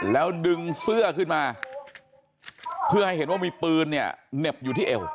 แล้วดึงเสื้อขึ้นมาเพื่อให้เห็นว่ามีปืนเนี่ยเหน็บอยู่ที่เอว